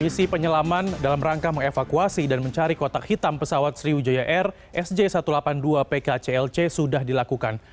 misi penyelaman dalam rangka mengevakuasi dan mencari kotak hitam pesawat sriwijaya air sj satu ratus delapan puluh dua pkclc sudah dilakukan